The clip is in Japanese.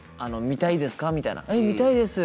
「えっ見たいです」